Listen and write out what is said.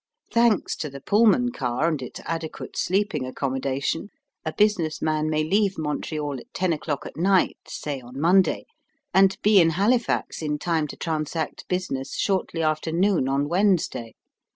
Thanks to the Pullman car and its adequate sleeping accommodation, a business man may leave Montreal at ten o'clock at night, say on Monday, and be in Halifax in time to transact business shortly after noon on Wednesday.